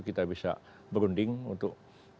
kita bisa berunding untuk